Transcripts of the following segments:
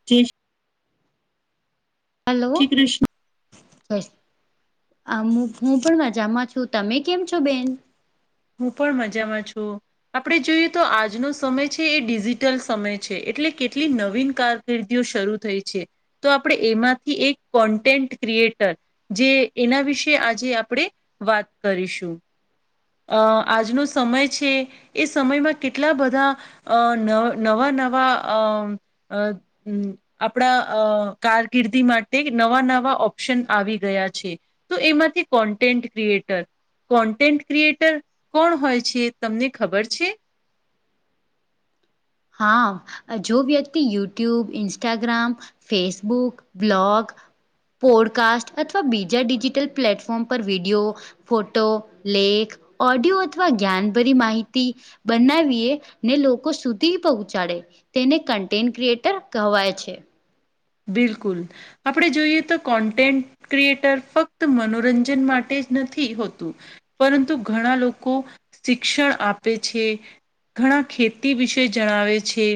[unintelligible] હાલો. શ્રી કૃષ્ણ. આ હું પણ મજામાં છું, તમે કેમ છો બેન? હું પણ મજામાં છું. આપણે જોઈએ તો આજનો સમય છે એ ડિજિટલ સમય છે. એટલે કેટલી નવીન કાર કિર્દીઓ શરૂ થઈ છે તો આપણે એમાંથી એક કોન્ટેન્ટ ક્રિએટર જે એના વિશે આજે આપણે વાત કરીશું. અ આજનો સમય છે એ સમયમાં કેટલા બધા અ ન નવા નવા અ અ આપણા અ કારકિર્દી માટે નવા નવા ઓપ્શન આવી ગયા છે. તો એમાંથી content creator content creator કોણ હોય છે તમને ખબર છે. હા જો વ્યક્તિ YouTube Instagram Facebook blog podcast અથવા બીજા ડિજિટલ પ્લેટફોર્મ પર વિડીયો ફોટો લેખ ઓડિયો અથવા જ્ઞાનભરી માહિતી બનાવીએ ને લોકો સુ તી પહોંચાડે તેને કન્ટેન્ટ ક્રિએટર કહેવાય છે. બિલકુલ આપણે જોઈએ તો કોન્ટેન્ટ ક્રિએટર ફક્ત મનોરંજન માટે જ નથી હોતું. પરંતુ ઘણા લોકો શિક્ષણ આપે છે. ઘણા ખેતી વિશે જણાવે છે.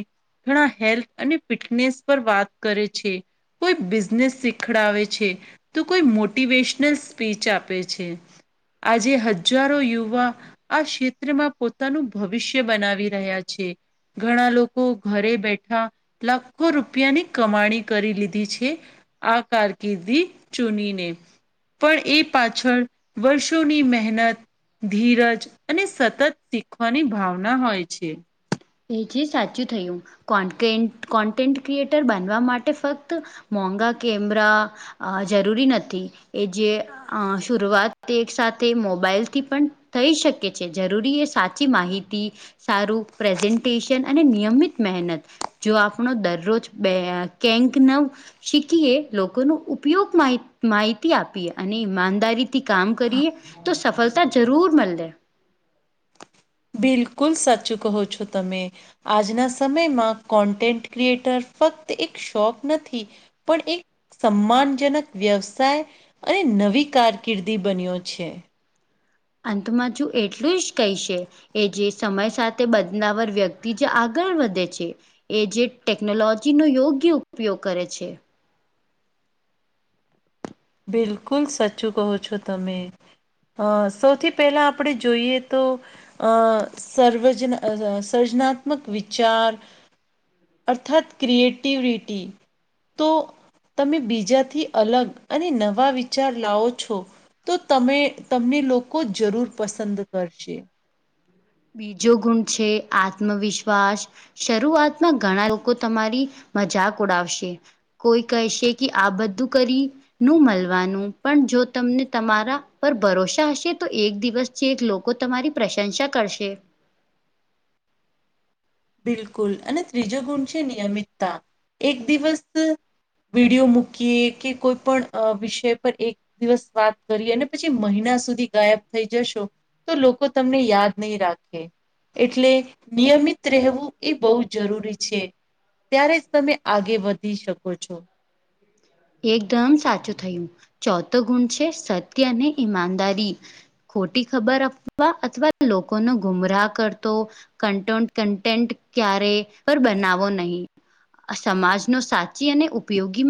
ઘણા હેલ્થ અને ફિટનેસ પર વાત કરે છે. છે કોઈ બિઝનેસ શીખડાવે છે. તો કોઈ મોટિવેશનલ સ્પીચ આપે છે આજે હજારો યુવા આ ક્ષેત્રમાં પોતાનું ભવિષ્ય બનાવી રહ્યા છે. ઘણા લોકો ઘરે બેઠા લાખો રૂપિયાની કમાણી કરી લીધી છે આ કારકિર્દી ચૂનીને પણ એ પાછળ વર્ષોની મહેનત ધીરજ અને સતત શીખવાની ભાવના હોય છે. એ જે સાચું થયું કોન્ટકેટ કોન્ટેન્ટ ક્રિએટર બનવા માટે ફક્ત મોંઘા કેમરા આ જરૂરી નથી એ જે આ શરૂઆત એક સાથે મોબાઈલથી પણ થઈ શકે છે જરૂરી એ સાચી માહિતી સારું પ્રેઝન્ટેશન અને નિયમિત મહેનત જો આપણો દરરોજ બે કેંક નવ શીખીએ લોકો નુ ઉપયોગ માહી માહિતી આપીએ અને ઈમાનદારી થી કામ કરીએ તો સફળતા જરૂર મળ દે બિલકુલ સાચુ કહો છો તમે આજના સમયમાં કોન્ટેન્ટ ક્રિએટર ફક્ત એક શોખ નથી પણ એક સન્માનજનક વ્યવસાય અને નવી કારકિર્દી બન્યો છે. અંતમાં છું એટલું જ કહીશે એ જે સમય સાથે બદનાવર વ્યક્તિ જ આગળ વધે છે. એ જે ટેકનોલોજી નો યોગ્ય ઉપયોગ કરે છે. બિલકુલ સાચું કહો છો તમે અ સૌથી પહેલા આપણે જોઈએ તો અ સર્વજના સર્જનાત્મક વિચાર અર્થત ક્રિએેટિવિટી તો તમે બીજાથી અલગ અને નવા વિચાર લાવો છો તો તમે તમને લોકો જરૂર પસંદ કરશે. બીજો ગુણ છે આત્મવિશ્વાસ શરૂઆતમાં ઘણા લોકો તમારી મજાક ઉડાવશે કોઈ કહેશે કે આ બધું કરી નું મળવાનું પણ જો તમને તમારા પર ભરોસા હશે તો એક દિવસ ચેક લોકો તમારી પ્રશંસા કરશે. બિલકુલ અને ત્રીજો ગુણ છે નિયમિતતા એક દિવસ ત વિડીયો મૂકીએ કે કોઈ પણ અ વિષય પર એક દિવસ વાત કરી અને પછી મહિના સુધી ગાયબ થઈ જશો તો લોકો તમને યાદ નહીં રાખે એટલે નિયમિત. રહેવું એ બહુ જરૂરી છે, ત્યારે જ તમે આગે વધી શકો છો. એકદમ સાચું થયું ચોથો ગુણ છે, સત્ય અને ઈમાનદારી. ખોટી ખબર આપવા અથવા લોકોનો ગુમરાહ કરતો. [unintelligible] કન્ટેન્ટ ક્યારે. પર બનાવો નહીં સમાજનો સાચી અને ઉપયોગી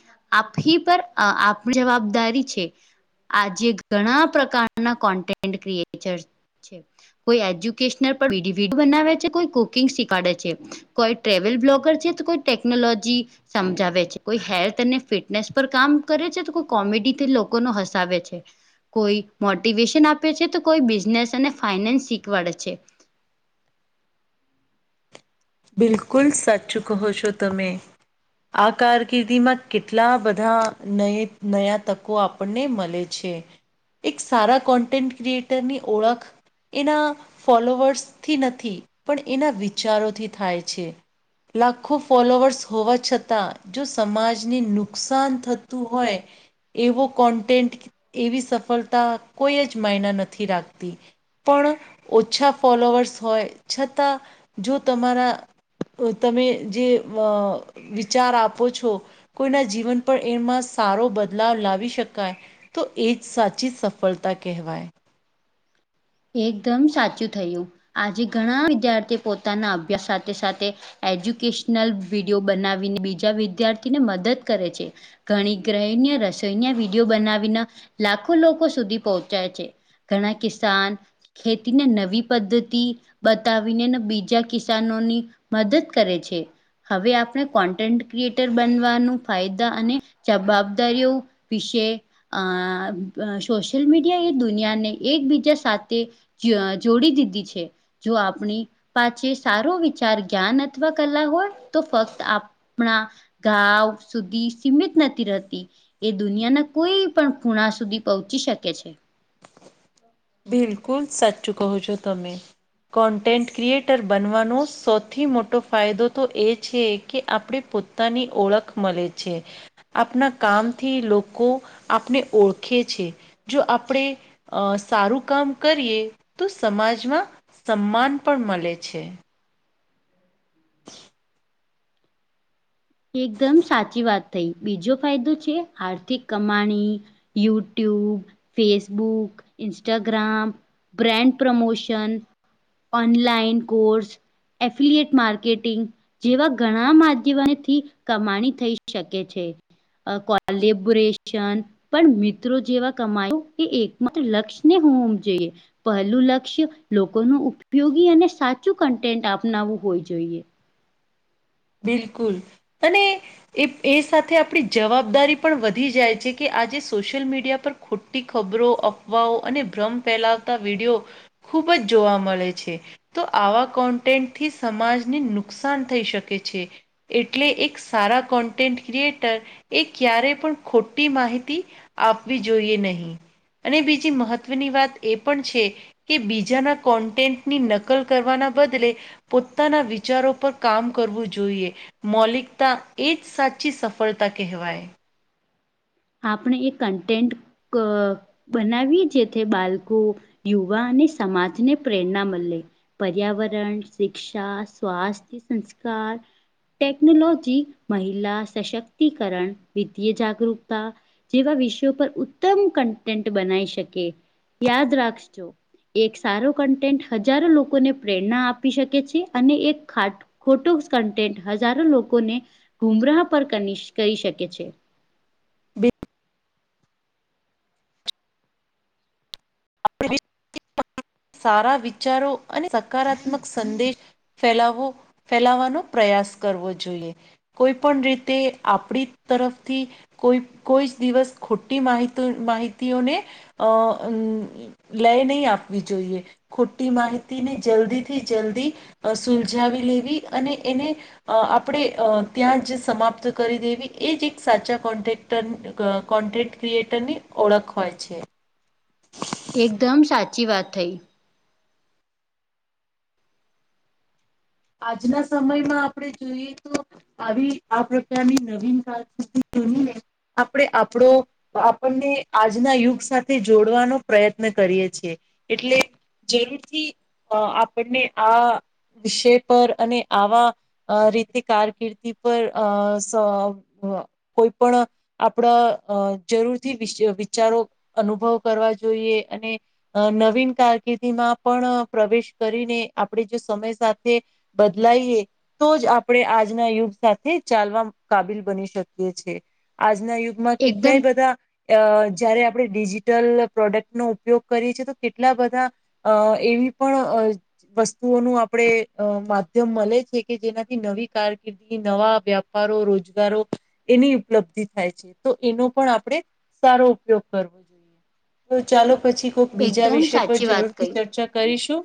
[unintelligible] [unintelligible] પર આપની જવાબદારી છે. આજે ઘણા પ્રકારના કોન્ટેન્ટ ક્રિએટર. કોઈ એજ્યુકેશનલડી બનાવે છે, કોઈ કુકિંગ શીખડે છે. કોઈ ટ્રેવલ બ્લોગર છે, તો કોઈ ટેકનોલોજી સમજાવે છે, કોઈ હેલ્થ. તને ફિટનેસ પર કામ કરે છે, તો કો કોમેડીથી લોકો ન હસાવે છે. કોઈ મોટિવેશન આપે છે, તો કોઈ બિઝનેસ અને ફાઈનાન્સ શીખવાડે છે. બિલકુલ સાચું કહો છો તમે. આ કારકિર્દીમાં કેટલા બધાય [unintelligible] તકો આપ. [unintelligible] મળે છે, એક સારા કોન્ટેન્ટ ક્રિએટરની ઓળખ. એના ફોલોવર્સથી નથી પણ એના વિચારોથી થાય છે. લાખો ફોલોવર્સ હોવા છતાં જો સમાજને નુકસાન થતું હોય. એવો કોન્ટેન્ટ એવી સફળતા કોઈ જ માયના નથી રાખતી. પણ ઓછા ફોલોવર્સ હોય છતાં જો તમારા. તમે જે [unintelligible] વિચાર આપો છો. કોઈના જીવન પર એમાં સારો બદલાવ લાવી શકાય. તો એ જ સાચી સફળતા કહેવાય. એકદમ સાચું થયું આજે ઘણા વિદ્યાર્થી પોતાના અભ્યાસ સાથે સાથે. એજ્યુકેશનલ [unintelligible] બનાવીને બીજા વિદ્યાર્થીને મદદ કરે છે. ઘણી ગ્રહ્ય રસોઈના વિડીયો બનાવીને લાખો લોકો સુધી પહોંચાય છે. ઘણા કિસાન. ખેતીને નવી પદ્ધતિ. બતાવીને ને બીજા કિસાનોની મદદ કરે છે. હવે આપણે કોન્ટેન્ટ ક્રિએટર બનવાનું ફાયદા અને જવાબદારીઓ. વિશે અ સોશિયલ મીડિયા એ દુનિયાને એકબીજા સાથે. તે જોડી દીધી છે. જો આપણી પાસે સારો વિચાર જ્ઞાન અથવા કલા હોય તો ફક્ત. હણા ગાવ સુધી સીમિત નથી રહેતી. એ દુનિયાના કોઈ પણ ખૂણા સુધી પહોંચી શકે છે. બિલકુલ સાચું કો છો તમે. કોન્ટેન્ટ ક્રિએટર બનવાનો સૌથી મોટો ફાયદો તો એ છે, કે આપણે પો [unintelligible] ઓળખ મળે છે. આપના કામથી લોકો આપને ઓળખે છે. જો આપણે [unintelligible] સારું કામ કરીએ તો સમાજમાં સન્માન પણ મળે છે. એકદમ સાચી વાત થઈ બીજો ફાયદો છે, આર્થિક કમાણી. YouTube Facebook Instagram. Brand promotion online course. Affiliate marketing જેવા ઘણા માધ્યમ [unintelligible] થી કમાણી થઈ શકે છે, કોલબરેશન. પણ મિત્રો જેવા કમાયો એ એકમાત્ર લક્ષ્યને [unintelligible] જોઈએ. પહેલું લક્ષ્ય લોકોનું ઉપયોગી અને સાચું કન્ટેન્ટ અપનાવું હોય જોઈએ. બિલકુલ અને. એ સાથે આપણી જવાબદારી પણ વધી જાય છે, કે આજે સોશિયલ મીડિયા પર ખોટું. મો ખબરો અફવાઓ અને ભ્રમ ફેલાવતા [unintelligible] ખુબ જ જોવા મળે છે. તો આવા કોન્ટેન્ટથી સમાજને નુકસાન થઈ શકે છે. છે એટલે એક સારા કોન્ટેન્ટ ક્રિએટર એ ક્યારે પણ ખોટી માહિતી આપવી જોઈએ નહીં. અને બીજી મહત્વની વાત એ પણ છે. કે બીજાના કોન્ટેન્ટની નકલ કરવાના બદલે પોતાના વિચારો પર કામ કરવું જોઈએ મૌલિકતા એ જ સાચી સફળતા કહેવાય. આપણે એ કન્ટેન્ટ ક બનાવીએ જેથી બાળકો યુવા અને સમાજને પ્રેરણા મળે પર્યાવરણ શિક્ષા સ્વાસ્થ્ય સંસ્કાર ટેક્નોલોૉજી મહિલા શશક્તિકરણ વિિત્તિ્યય જાગરરૂક જેવા વિષયો પર ઉત્તમ કન્ટેન્ટ બનાવી શકે યાદ રાખજો એક સારો કન્ટેન્ટ હજારો લોકોને પ્રેરણા આપી શકે છે અને એક ખાટ ખોટો સ કન્ટેન્ટ હજારો લોકોને ગુમરાહ પર કની કરી શકે છે. સારા વિચારો અને સકારાત્મક સંદેશ ફેલાવો, ફેલાવાનો પ્રયાસ કરવો જોઈએ. કોઈ પણ રીતે આપડી તરફથી કોઈ કોઈ જ દિવસ ખોટી માહીતો માહિતીઓને અ લાઇ નઈ આપવી જોઈએ. ખોટી માહિતીને જલ્દી થી જલ્દી અ સુલજાવી લેવી અને એને અ આપડે અ ત્યાં જ સમાપ્ત કરી દેવી એજ એક સાચા કોન્ટેક્ટ ટન અ કોન્ટેન્ટ ક્રિએટરની ઓળખ હોય છે. એકદમ સાચી વાત થઈ. આજના સમયમાં આપડે જોઈએ તો આવી આ પ્રકારની નવીન કારકરદી બનીને આપડે આપડો અ આપણને આજના યુગ સાથે જોડવાનો પ્રયત્ન કરીએ છીએ, એટલે જરૂરથી અ આપણને આ વિષય પર અને આવા આ રીતે કારકિર્દી પર અ સ અ કોઈ પણ આપડા અ જરૂર થી વિશ વિચારો અનુભવ કરવા જોઈએ અને અ નવીન કારકિર્દીમાં પણ પ્રવેશ કરીને આપડે જો સમય સાથે બદલાઈ એ તો જ આપડે આજના યુગ સાથે ચાલવા કાબિલ બની શકીએ છીએ, આજના યુગ માં એકદમ કેટલાય બધા અ જયારે આપડે ડિજિટલ પ્રોડક્ટનો ઉપયોગ કરીએ છીએ તો કેટલા બધા અ એવી પણ અ વસ્તુઓનું આપડે અ માધ્યમ મળે છે કે જેનાથી નવી કારકિર્દી, નવા વ્યાપારો, રોજગારો એની ઉપલબ્ધિ થાય છે તો એનો પણ આપડે સારો ઉપયોગ કરવો જોઈએ. તો ચાલો પછી કોક બીજા એકદમ વિષય પર સાચી વાત જરૂરથી કહી ચર્ચા કરીશું.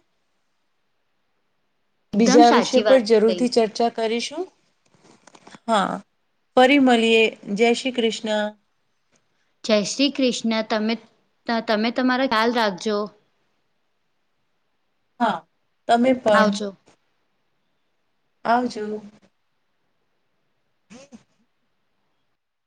એકદમ બીજા વિષય સાચી પર વાત કહી જરૂરથી ચર્ચા કરીશું, હા ફરી મળીએ, જય શ્રી કૃષ્ણ. જય શ્રી કૃષ્ણ, તમે તમે તમારા ખ્યાલ રાખજો. હા, તમે પણ. આવજો આવજો. [inaudible]